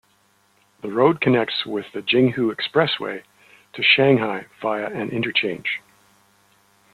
The road connects with the Jinghu Expressway to Shanghai via an interchange.